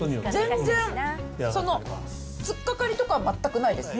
全然そのつっかかりとか全くないです。